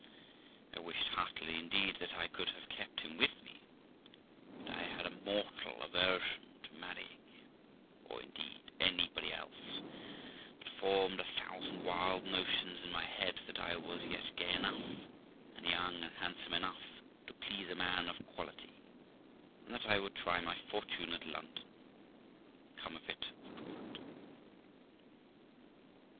I wished heartily, indeed, that I could have kept him with me, but I had a mortal aversion to marrying him, or indeed anybody else, but formed a thousand wild notions in my head that I was yet gay enough, and young and handsome enough, to please a man of quality, and that I would try my fortune at London, come of it what would.